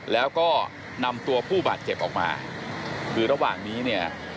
แล้วก็นำตัวผู้บาดเจ็บออกมาคือระหว่างนี้เนี่ย